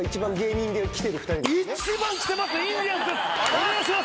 お願いします。